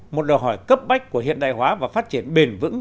một đòi hỏi cấp bách của hiện đại hóa và phát triển bền vững